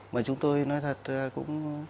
mà chúng tôi nói thật là cũng